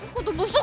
gue tuh busuk